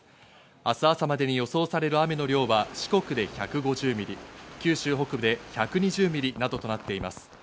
明日朝までに予想される雨の量は四国で１５０ミリ、九州北部で１２０ミリなどとなっています。